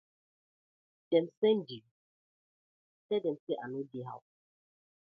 Dem send you? tell dem say I no dey house.